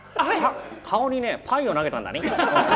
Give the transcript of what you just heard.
顔にね、パイを投げたんだね。